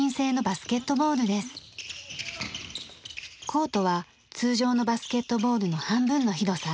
コートは通常のバスケットボールの半分の広さ。